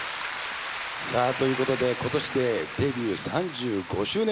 さぁということで今年でデビュー３５周年。